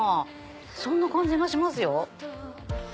そんな感じがしますよ。